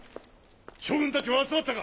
将軍たちは集まったか？